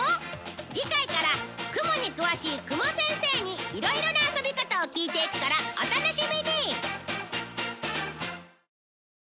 次回から雲に詳しい雲先生にいろいろな遊び方を聞いていくからお楽しみに！